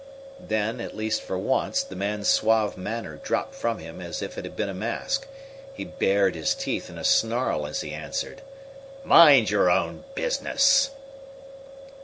Then, at least for once, the man's suave manner dropped from him as if it had been a mask. He bared his teeth in a snarl as he answered: "Mind your own business!"